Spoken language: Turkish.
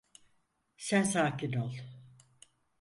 Sen sakin ol…